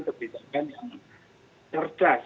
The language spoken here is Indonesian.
kebijakan yang cerdas